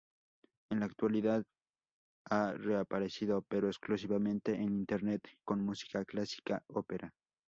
En la actualidad a reaparecido pero exclusivamente en internet con música clásica, ópera...